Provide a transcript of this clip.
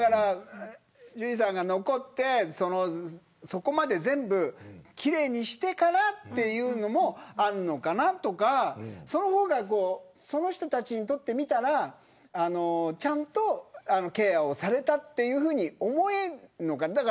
ジュリーさんが残ってそこまで全部奇麗にしてからというのもあるのかなとかその方がその人たちにとってみたらちゃんとケアをされたというふうに思えるのか。